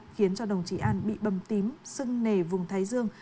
khiến cho đồng chí an bị bầm tím sưng nề vùng thái dương